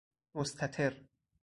مستتر